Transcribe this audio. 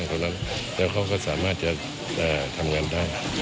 แล้วเขาก็สามารถจะทำงานได้